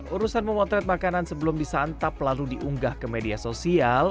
urusan memotret makanan sebelum disantap lalu diunggah ke media sosial